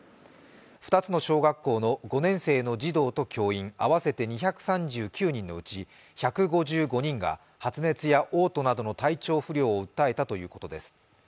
２つの小学校の５年生の児童と教員合わせて２３９人のうち１５５人が発熱やおう吐などの体調不良を訴えたということです。